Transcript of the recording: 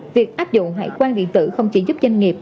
việc áp dụng hải quan điện tử không chỉ giúp doanh nghiệp